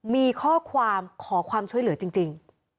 มีข้อความขอความช่วยเหลือจริง